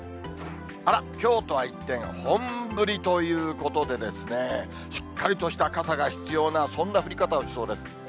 あら、きょうとは一転、本降りということでですね、しっかりとした傘が必要な、そんな降り方をしそうです。